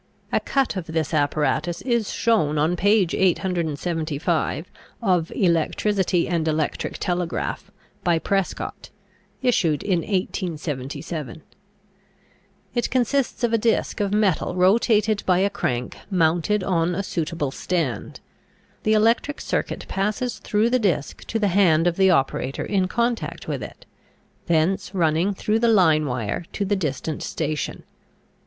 (A cut of this apparatus is shown on page 875 of "Electricity and Electric Telegraph," by Prescott, issued in 1877.) It consists of a disk of metal rotated by a crank mounted on a suitable stand. The electric circuit passes through the disk to the hand of the operator in contact with it, thence running through the line wire to the distant station.